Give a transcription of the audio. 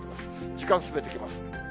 時間進めていきます。